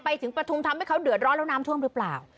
ถึงปฐุมทำให้เขาเดือดร้อนแล้วน้ำท่วมหรือเปล่า